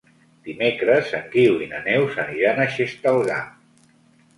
Dimecres en Guiu i na Neus aniran a Xestalgar.